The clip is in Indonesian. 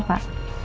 baik pak sama pak